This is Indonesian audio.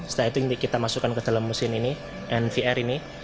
setelah itu kita masukkan ke dalam mesin ini nvr ini